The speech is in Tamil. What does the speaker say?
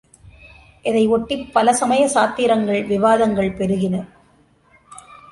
இதை ஒட்டிப் பல சமய சாத்திரங்கள் விவாதங்கள் பெருகின.